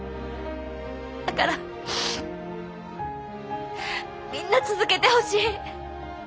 だからみんな続けてほしい。